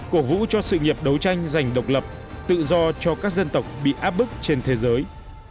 cổ vũ cho sự nghiệp đấu tranh giành độc lập tự do cho các dân tộc bị áp bức trên thế giới